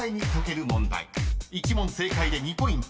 ［１問正解で２ポイント］